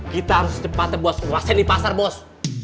kita harus cepat buat kuasain di pasar bos